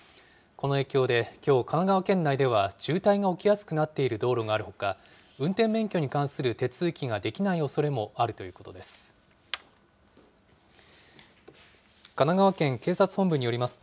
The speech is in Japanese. この影響できょう、神奈川県内では渋滞が起きやすくなっている道路があるほか、運転免許に関する手続きができないおそれもあるということです。